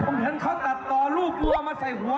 ผมเห็นเขาตัดต่อลูกวัวมาใส่หัว